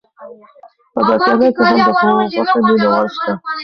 په بریتانیا کې هم د غوښې مینه وال شته.